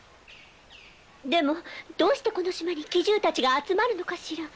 でもどうしてこの島に奇獣たちが集まるのかしら？